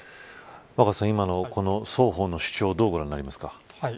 若狭さん、今のこの双方の主張、どうご覧になりますか。